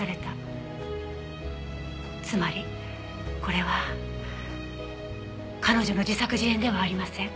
つまりこれは彼女の自作自演ではありません。